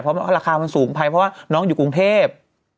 เพราะราคามันสูงไปเพราะว่าน้องอยู่กรุงเทพ